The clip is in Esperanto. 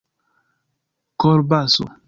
kolbaso